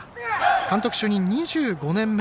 監督就任２５年目。